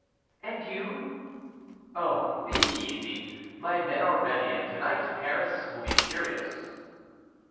"And you?" "Oh! be easy; my men are ready, and to night Paris will be curious."